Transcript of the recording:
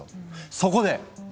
そこで！